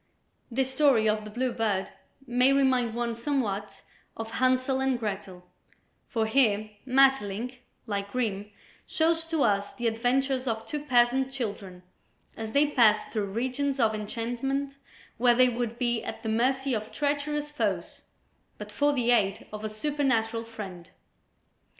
This story of "The Blue Bird" may remind one somewhat of "Hansel and Gretel," for here Maeterlinck, like Grimm, shows to us the adventures of two peasant children as they pass through regions of enchantment where they would be at the mercy of treacherous foes, but for the aid of a supernatural friend.